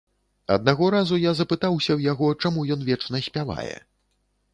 Аднаго разу я запытаўся ў яго, чаму ён вечна спявае.